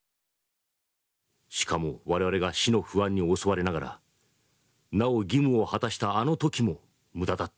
しかも我々が死の不安に襲われながらなお義務を果たしたあの時も無駄だった。